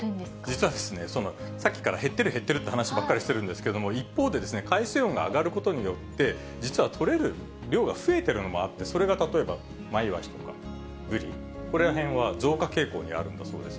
実はさっきから減ってる、減ってるっていう話ばっかりしてるんですけれども、一方で、海水温が上がることによって、実は取れる量が増えてるのもあって、それが例えば、マイワシとかブリ、ここらへんは増加傾向にあるんだそうです。